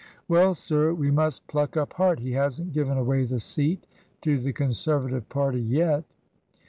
" Well, sir ! 'we must pluck up heart. He hasn't given away the seat to the Conservative party yet."